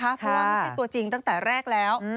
เพราะว่าไม่ใช่ตัวจริงตั้งแต่แรกแล้ว